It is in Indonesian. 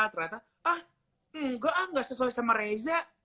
ternyata ah enggak ah gak sesuai sama reza